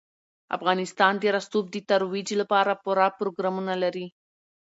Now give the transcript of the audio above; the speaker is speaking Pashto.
افغانستان د رسوب د ترویج لپاره پوره پروګرامونه لري.